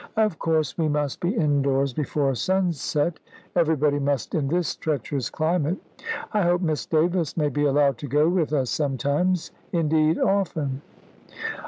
Of course we must be indoors before sunset. Everybody must in this treacherous climate. I hope Miss Davis may be allowed to go with us sometimes, indeed often!"